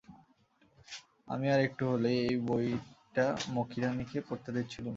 আমি আর একটু হলেই এই বইটা মক্ষীরানীকে পড়তে দিচ্ছিলুম।